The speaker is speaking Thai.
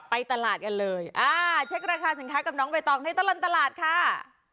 ไปตลาดกันเลยอ่าเช็คราคาสินค้ากับน้องใบตองในตลอดตลาดค่ะ